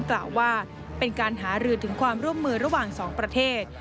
กล่าวว่าเป็นการหารือถึงความร่วมมือระหว่างสองประเทศ